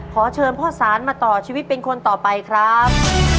ขอเชิญพ่อสานมาต่อชีวิตเป็นคนต่อไปครับ